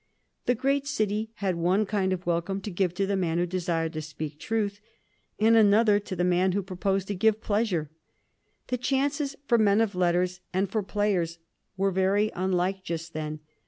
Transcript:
The great city had one kind of welcome to give to the man who desired to speak truth and another to the man who proposed to give pleasure. The chances for men of letters and for players were very unlike just then.